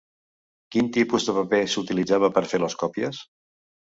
Quin tipus de paper s'utilitzava per fer les còpies?